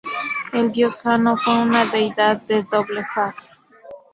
El dios Jano fue una deidad de doble faz.